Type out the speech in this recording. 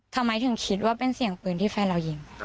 ทำไมถึงคิดว่าเป็นเสียงปืนที่แฟนเรายิง